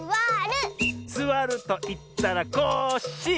「すわるといったらコッシー！」